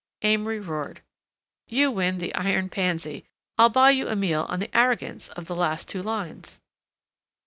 Amory roared. "You win the iron pansy. I'll buy you a meal on the arrogance of the last two lines."